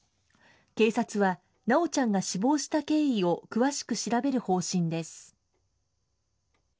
警察は修ちゃんが死亡した経緯を詳しく調べる方針です。